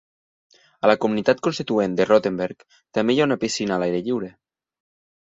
A la comunitat constituent de Rottenberg també hi ha una piscina a l'aire lliure.